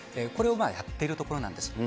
これをやっているところなんです。